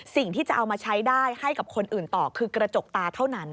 สิ่งที่จะเอามาใช้ได้ให้กับคนอื่นต่อคือกระจกตาเท่านั้น